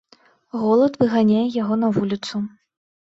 Голад выганяе яго на вуліцу.